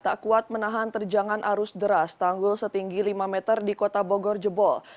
tak kuat menahan terjangan arus deras tanggul setinggi lima meter di kota bogor jebol